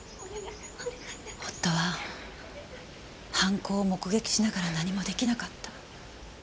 夫は犯行を目撃しながら何も出来なかった。